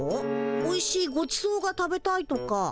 おいしいごちそうが食べたいとか。